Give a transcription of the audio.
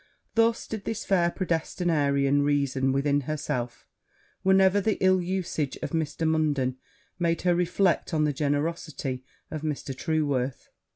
Thus did this fair predestinarian reason within herself whenever the ill usage of Mr. Munden made her reflect on the generosity of Mr. Trueworth.